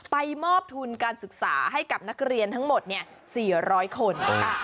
มอบทุนการศึกษาให้กับนักเรียนทั้งหมด๔๐๐คน